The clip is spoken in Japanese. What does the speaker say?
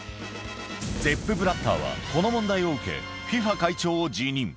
ゼップ・ブラッターはこの問題を受け、ＦＩＦＡ会長を辞任。